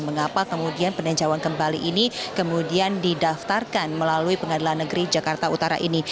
mengapa kemudian peninjauan kembali ini kemudian didaftarkan melalui pengadilan negeri jakarta utara ini